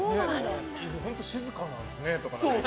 本当静かなんですねとか。